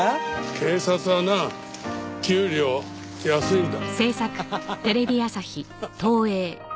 警察はな給料安いんだ。